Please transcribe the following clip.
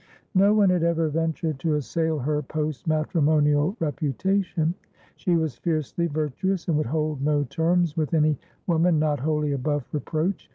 No one had ever ventured to assail her post matrimonial reputation; she was fiercely virtuous, and would hold no terms with any woman not wholly above reproach.